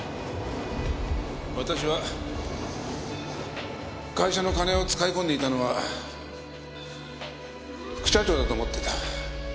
私は会社の金を使い込んでいたのは副社長だと思っていた。